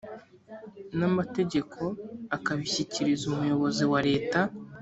n amategeko akabishyikiriza umuyobozi wa leta